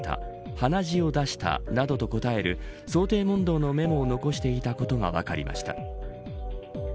鼻血を出したなどと答える想定問答のメモを残していたことが分かりました。